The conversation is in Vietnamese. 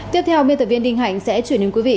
tiếp theo miên tập viên đình hành sẽ truyền đến quý vị